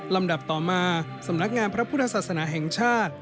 ลำดับต่อมาสำนักงานพระพุทธศาสนาแห่งชาติ